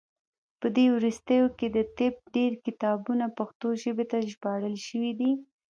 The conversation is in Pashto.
په دې وروستیو کې د طب ډیری کتابونه پښتو ژبې ته ژباړل شوي دي.